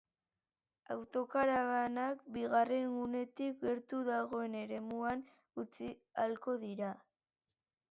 Autokarabanak bigarren gunetik gertu dagoen eremuan utzi ahalko dira.